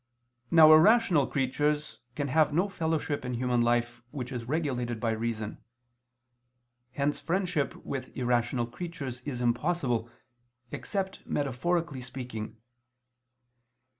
Now irrational creatures can have no fellowship in human life which is regulated by reason. Hence friendship with irrational creatures is impossible, except metaphorically speaking.